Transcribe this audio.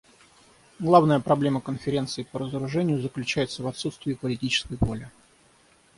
Главная проблема Конференции по разоружению заключается в отсутствии политической воли.